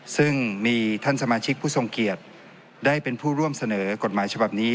ซึ่งมีท่านสมาชิกผู้ทรงเกียรติได้เป็นผู้ร่วมเสนอกฎหมายฉบับนี้